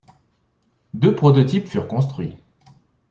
Deux prototypes furent construits.